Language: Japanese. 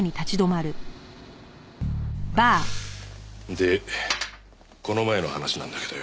でこの前の話なんだけどよ。